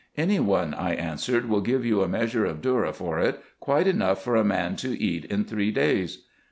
" Any one," I answered, " will give you a measure of dhourra for it, quite enough for a man to eat in three days."